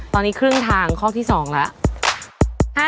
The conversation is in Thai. ตอนนี้ครึ่งทางข้อที่๒แล้ว